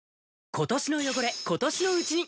今年の汚れ、今年のうちに。